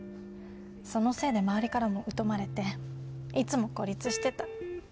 そのせいで周りからも疎まれていつも孤立してた。